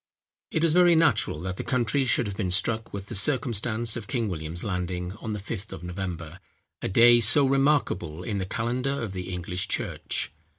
It was very natural, that the country should have been struck with the circumstance of King William's landing on the Fifth of November,—a day so remarkable in the calendar of the English church.